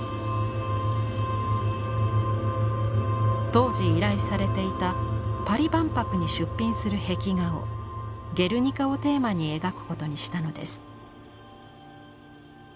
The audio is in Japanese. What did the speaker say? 当時依頼されていたパリ万博に出品する壁画をゲルニカをテーマに描くことにしたのです。